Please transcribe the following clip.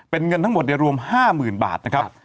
เป็นเงินทั้งหมดในรวม๕๐๐๐บาทนะครับ